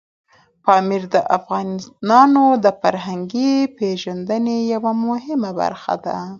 پامیر د افغانانو د فرهنګي پیژندنې یوه مهمه برخه ده.